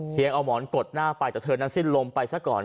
เอาหมอนกดหน้าไปแต่เธอนั้นสิ้นลมไปซะก่อน